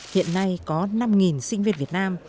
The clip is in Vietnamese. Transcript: hiện nay có năm sinh viên việt nam